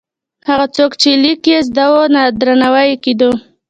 هغه څوک چې لیکل یې زده وو، درناوی یې کېده.